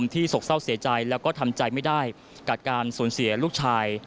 โศกเศร้าเสียใจแล้วก็ทำใจไม่ได้กับการสูญเสียลูกชาย